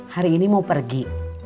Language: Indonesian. hari ini mau pergi